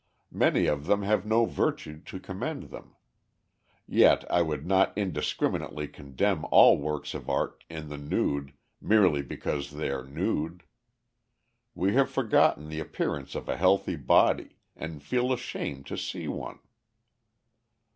Many of them have no virtue to commend them. Yet I would not indiscriminately condemn all works of art in the nude merely because they are nude. We have forgotten the appearance of a healthy body, and feel ashamed to see one.